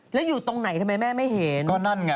แล้วอยู่ตรงไหนทำไมแม่ไม่เห็น